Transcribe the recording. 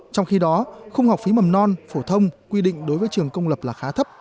trong khi đó khung học phí mầm non phổ thông quy định đối với trường công lập là khá thấp